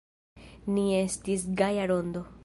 Ni estis gaja rondo.